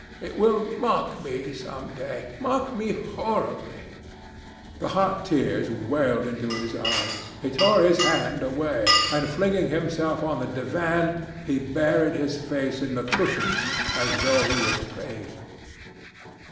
It will mock me some day—mock me horribly!" The hot tears welled into his eyes; he tore his hand away and, flinging himself on the divan, he buried his face in the cushions, as though he was praying.